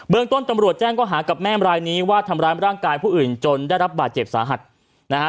เมืองต้นตำรวจแจ้งก็หากับแม่มรายนี้ว่าทำร้ายร่างกายผู้อื่นจนได้รับบาดเจ็บสาหัสนะฮะ